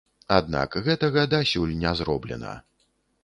Аднак гэтага дасюль не зроблена.